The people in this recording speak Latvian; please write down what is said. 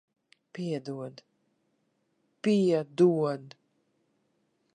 Piedod. Piedod.